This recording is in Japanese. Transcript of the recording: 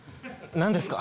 何ですか？